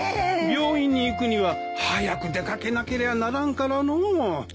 病院に行くには早く出掛けなけりゃならんからのう。